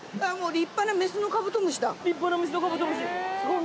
立派なメスのカブトムシ。